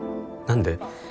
何で？